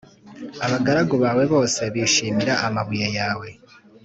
abagaragu bawe bose bishimira amabuye yawe